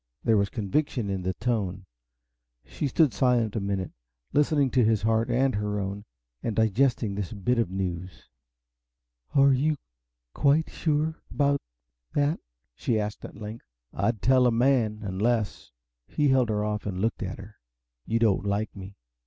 There was conviction in the tone. She stood silent a minute, listening to his heart and her own, and digesting this bit of news. "Are you quite sure about that?" she asked at length. "I'd tell a man! Unless" he held her off and looked at her "you don't like me.